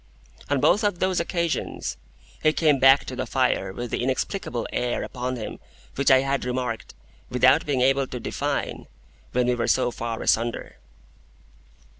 On both of those occasions, he came back to the fire with the inexplicable air upon him which I had remarked, without being able to define, when we were so far asunder.